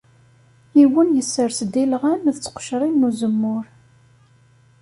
Yiwen yesres-d ilɣan d tqecrin n uzemmur.